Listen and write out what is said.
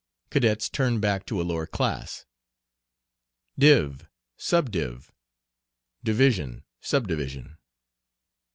Cadets turned back to a lower class. "Div," "subdiv." Division, subdivision.